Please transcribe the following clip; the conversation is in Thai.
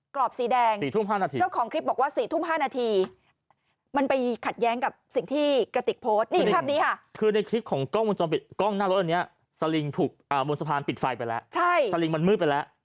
กล้องหน้ารถอันนี้สลิงถูกบนสะพานปิดไฟไปแล้วสลิงมันมืดไปแล้ว